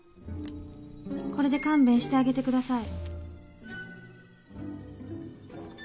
これで勘弁してあげて下さい。